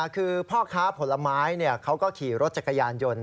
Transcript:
คือพ่อค้าผลไม้เขาก็ขี่รถจักรยานยนต์